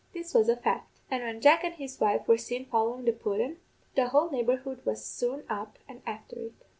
This was a fact; and when Jack and his wife were seen followin' the pudden, the whole neighbourhood was soon up and afther it.